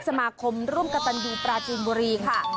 สมาคมร่วมกระตันยูปราจีนบุรีค่ะ